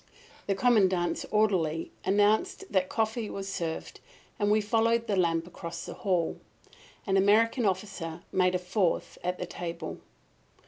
The Commandant's orderly announced that coffee was served, and we followed the lamp across the hall. An English officer made a fourth at the table.